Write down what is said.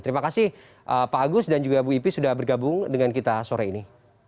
terima kasih pak agus dan juga bu ipi sudah bergabung dengan kita sore ini